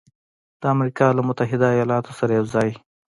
د امریکا له متحده ایالاتو سره یوځای